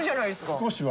少しは。